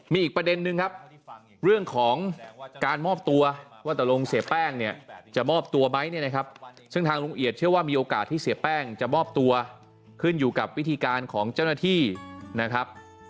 มีอีกประเด็นนึงครับเรื่องของการมอบตัวว่าตกลงเสียแป้งเนี่ยจะมอบตัวไหมเนี่ยนะครับซึ่งทางลุงเอียดเชื่อว่ามีโอกาสที่เสียแป้งจะมอบตัวขึ้นอยู่กับวิธีการของเจ้าหน้าที่นะครับ